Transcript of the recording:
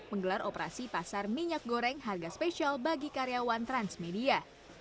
menggelar operasi pasar minyak goreng harga spesial bagi karyawan transmedia